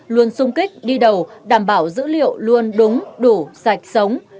luôn sung kích đi đầu đảm bảo dữ liệu luôn đúng đủ sạch sống